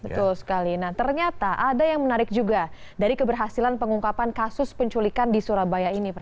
betul sekali nah ternyata ada yang menarik juga dari keberhasilan pengungkapan kasus penculikan di surabaya ini pak